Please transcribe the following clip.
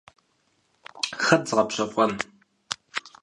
Хэт згъэпщэфӀэн?